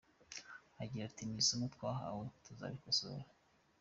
Agira ati “Ni isomo twahawe, tuzabikosora.